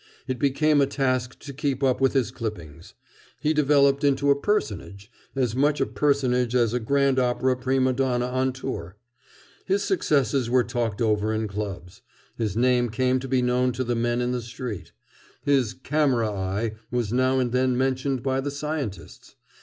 It became a task to keep up with his clippings. He developed into a personage, as much a personage as a grand opera prima donna on tour. His successes were talked over in clubs. His name came to be known to the men in the street. His "camera eye" was now and then mentioned by the scientists.